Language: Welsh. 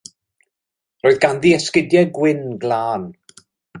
Roedd ganddi esgidiau gwyn glân.